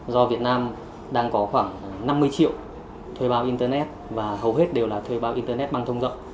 do việt nam đang có khoảng năm mươi triệu thuê bao internet và hầu hết đều là thuê bao internet băng thông rộng